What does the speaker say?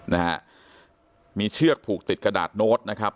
นะฮะมีเชือกผูกติดกระดาษโน้ตนะครับ